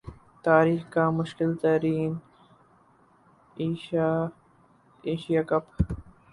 تاریخ کا مشکل ترین ایشیا کپ